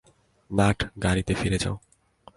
Nut, গাড়িতে ফিরে যাও।